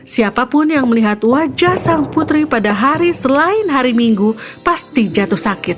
siapapun yang melihat wajah sang putri pada hari selain hari minggu pasti jatuh sakit